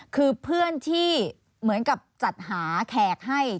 คือเพื่อนที่เหมือนกับจัดหาแขกให้